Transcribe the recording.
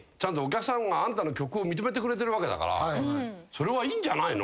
それはいいんじゃないの？